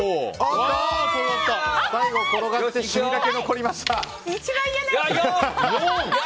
最後、転がって残りました。